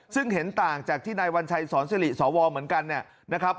ซึ่งเห็นต่างจากที่นายวัญชัยสอนสิริสวเหมือนกันเนี่ยนะครับ